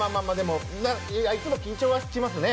いつも緊張はしますね。